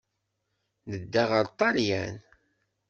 Nedda ɣer Ṭṭalyan.